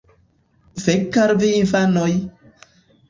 Fek' al vi infanoj!